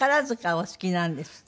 お好きなんですって？